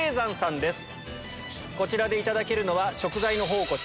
こちらでいただけるのは食材の宝庫